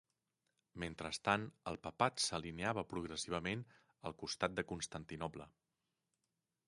Mentrestant, el papat s'alineava progressivament al costat de Constantinoble.